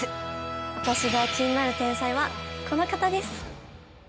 私が気になる天才はこの方です。